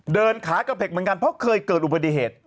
เดินขากระเพกเหมือนกันเพราะเคยเกิดอุบัติเหตุ